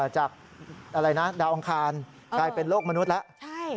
จากอะไรนะดาวอังคารกลายเป็นโลกมนุษย์แล้ว